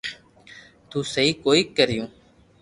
تي سھي ڪوئي ڪيريو